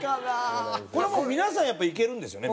これもう皆さんやっぱいけるんですよね？